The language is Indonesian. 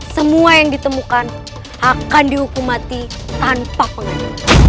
semua yang ditemukan akan dihukum mati tanpa pengani